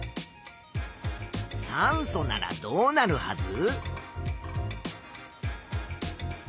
酸素ならどうなるはず？